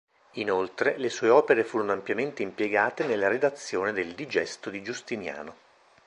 Inoltre, le sue opere furono ampiamente impiegate nella redazione del Digesto di Giustiniano.